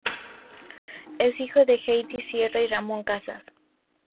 Es hijo de Heidi Sierra y Ramón Casas.